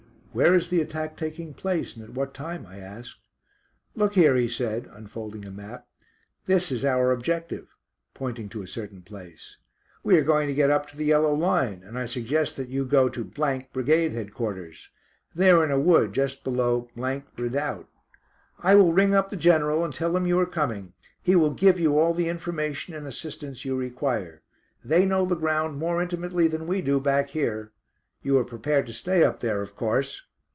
"Where is the attack taking place, and at what time?" I asked. "Look here," he said, unfolding a map, "this is our objective," pointing to a certain place. "We are going to get up to the yellow line, and I suggest that you go to Brigade Headquarters. They are in a wood just below Redoubt. I will ring up the General and tell him you are coming. He will give you all the information and assistance you require. They know the ground more intimately than we do back here. You are prepared to stay up there, of course?"